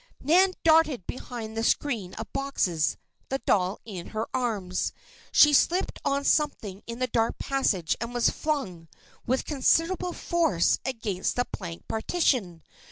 Nan darted behind this screen of boxes, the doll in her arms. She slipped on something in the dark passage and was flung with considerable force against the plank partition.